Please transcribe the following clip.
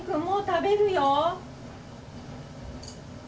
もう食べるよ。